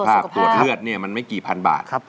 สุขภาพตรวจเลือดมันไม่กี่พันบาท